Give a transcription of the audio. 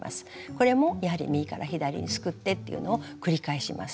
これもやはり右から左にすくってっていうのを繰り返します。